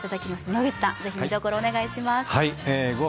野口さん、ぜひ見どころをお願いします。